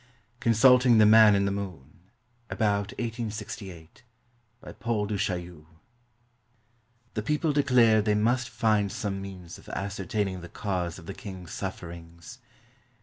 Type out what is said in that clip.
CONSULTING THE MAN IN THE MOON lAbout 1868] BY PAUL DU CHAILLU The people declared they must find some means of ascer taining the cause of the king's sufferings.